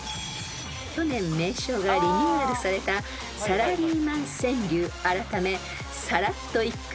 ［去年名称がリニューアルされた「サラリーマン川柳」改め「サラっと一句！